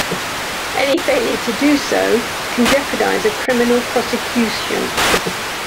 Any failure to do so can jeopardize a criminal prosecution.